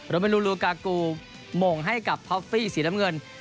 โรแมนลูลูกากูโม่งให้กับพอฟฟี่สีลำเงิน